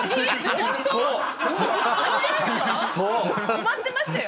止まってましたよ。